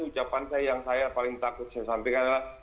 ucapannya yang paling takut kemudian saya painkan adalah